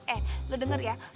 eh lo denger ya